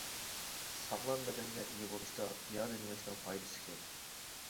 ساغلام بەدەنگە ئىگە بولۇشتا پىيادە مېڭىشنىڭ پايدىسى كۆپ.